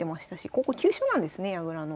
ここ急所なんですね矢倉の。